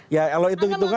ya kalau hitung hitungan